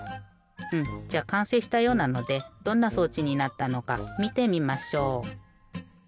うんじゃあかんせいしたようなのでどんな装置になったのかみてみましょう。